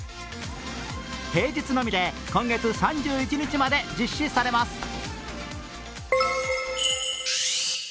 平日のみで今月３１日まで実施されます。